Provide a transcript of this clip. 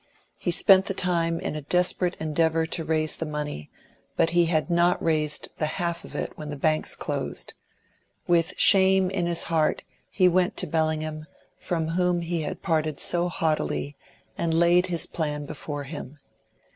He spent the time in a desperate endeavour to raise the money, but he had not raised the half of it when the banks closed. With shame in his heart he went to Bellingham, from whom he had parted so haughtily, and laid his plan before him.